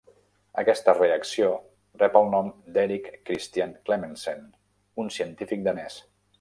Aquesta reacció rep el nom d'Erik Christian Clemmensen, un científic danès.